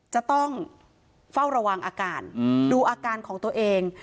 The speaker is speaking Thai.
จะต้องเฝ้าระวังอาการดูอาการของตัวเอง